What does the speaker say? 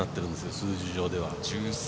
数字上では。